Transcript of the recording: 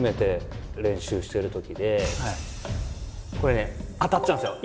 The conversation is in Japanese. これね当たっちゃうんですよ。